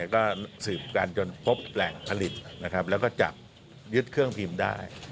ก็สืบกันจนพบแหล่งผลิตนะครับแล้วก็จับยึดเครื่องพิมพ์ได้